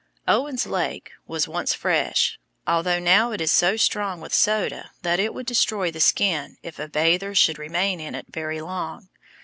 Owens Lake was once fresh, although now it is so strong with soda that it would destroy the skin if a bather should remain in it very long.